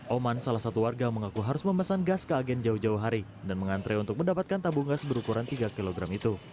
oman salah satu warga mengaku harus memesan gas ke agen jauh jauh hari dan mengantre untuk mendapatkan tabung gas berukuran tiga kg itu